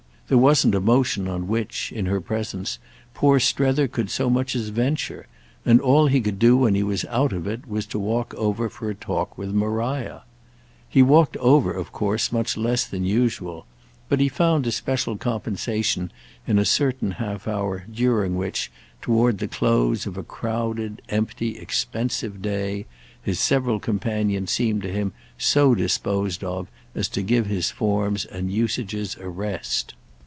There wasn't a motion on which, in her presence, poor Strether could so much as venture, and all he could do when he was out of it was to walk over for a talk with Maria. He walked over of course much less than usual, but he found a special compensation in a certain half hour during which, toward the close of a crowded empty expensive day, his several companions seemed to him so disposed of as to give his forms and usages a rest.